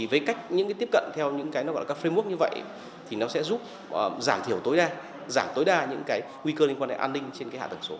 với cách tiếp cận theo các framework như vậy thì nó sẽ giảm thiểu tối đa giảm tối đa những nguy cơ liên quan đến an ninh trên hạ tầng số